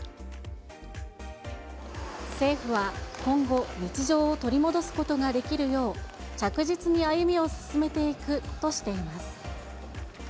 政府は今後、日常を取り戻すことができるよう着実に歩みを進めていくとしています。